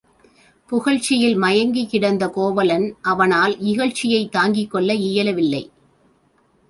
புகழ்ச்சியில் மயங்கிக் கிடந்த கோவலன் அவனால் இகழ்ச்சியைத் தாங்கிக் கொள்ள இயலவில்லை.